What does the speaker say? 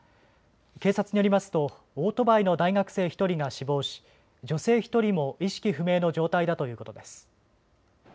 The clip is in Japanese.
警察によりますとオートバイの大学生１人が死亡し女性１人も意識不明の状態だということです。